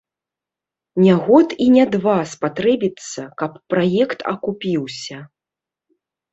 Не год і не два спатрэбіцца, каб праект акупіўся.